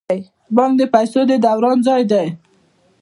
بانک د پیسو د دوران ځای دی